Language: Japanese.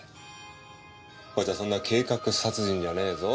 こいつはそんな計画殺人じゃねえぞ。